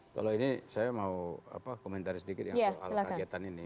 kalau ini saya mau komentari sedikit ya soal kagetan ini